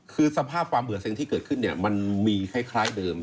คือสภาพความเบื่อเซ็งที่เกิดขึ้นเนี่ยมันมีคล้ายเดิม